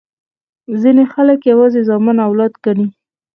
ځیني خلګ یوازي زامن اولاد ګڼي.